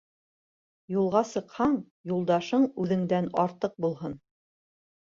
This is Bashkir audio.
Юлға сыҡһаң, юлдашың үҙеңдән артыҡ булһын.